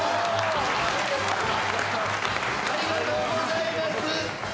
ありがとうございます！